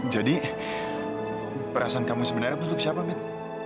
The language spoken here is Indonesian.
jadi perasaan kamu sebenarnya itu untuk siapa mil